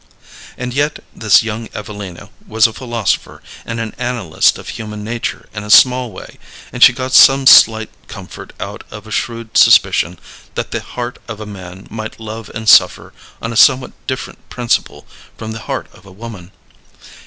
And yet this young Evelina was a philosopher and an analyst of human nature in a small way, and she got some slight comfort out of a shrewd suspicion that the heart of a man might love and suffer on a somewhat different principle from the heart of a woman.